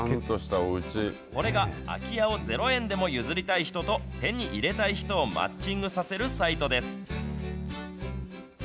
これが空き家を０円でも譲りたい人と、手に入れたい人をマッチングさせるサイトです。